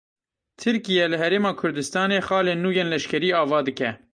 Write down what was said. Tirkiye li Herêma Kurdistanê xalên nû yên leşkerê ava dike.